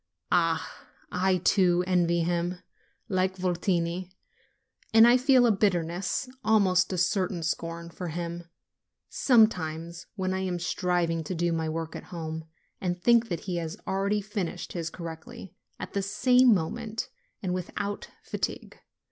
Ah! I, too, envy him, like Votini. And I feel a bitterness, almost a certain scorn, for him, sometimes, when I am striving to do my work at home, and think that he has already finished his correctly, at this same moment, and without fatigue.